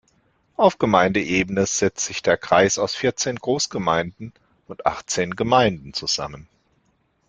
Auf Gemeindeebene setzt sich der Kreis aus vierzehn Großgemeinden und achtzehn Gemeinden zusammen.